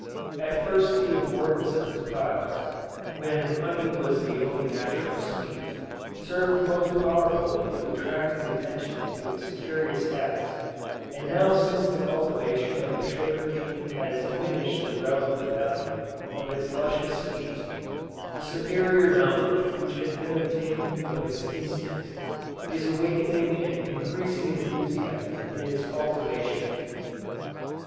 At first the importance of its products, when honey was the only natural sweet, served most powerfully to attract his attention to its curious habits; and now since the cultivation of the sugar cane has diminished the relative value of its luscious sweets, the superior knowledge which has been obtained of its instincts, is awakening an increasing enthusiasm in its cultivation.